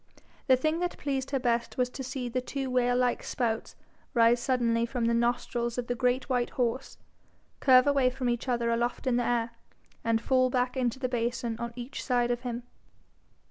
The thing that pleased her best was to see the two whale like spouts rise suddenly from the nostrils of the great white horse, curve away from each other aloft in the air, and fall back into the basin on each side of him.